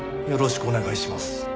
よろしくお願いします。